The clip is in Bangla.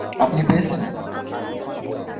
আপনি পেয়েছেন?